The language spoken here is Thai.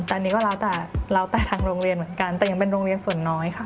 แต่อันนี้ก็แล้วแต่แล้วแต่ทางโรงเรียนเหมือนกันแต่ยังเป็นโรงเรียนส่วนน้อยค่ะ